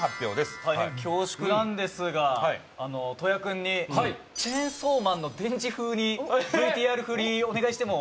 宮田：大変恐縮なんですが戸谷君に『チェンソーマン』のデンジ風にＶＴＲ振りをお願いしても？